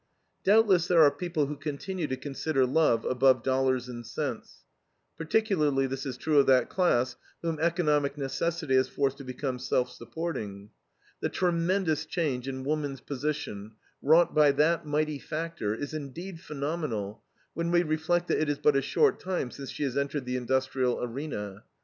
Doubtless there are people who continue to consider love above dollars and cents. Particularly this is true of that class whom economic necessity has forced to become self supporting. The tremendous change in woman's position, wrought by that mighty factor, is indeed phenomenal when we reflect that it is but a short time since she has entered the industrial arena.